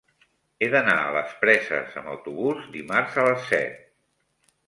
He d'anar a les Preses amb autobús dimarts a les set.